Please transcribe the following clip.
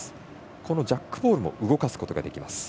このジャックボールも動かすことができます。